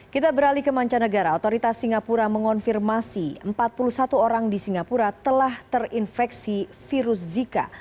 kita beralih ke mancanegara otoritas singapura mengonfirmasi empat puluh satu orang di singapura telah terinfeksi virus zika